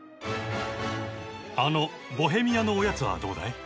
あのボヘミアのおやつはどうだい？